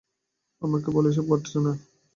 আমাকে বলো এসব ঘটছে না!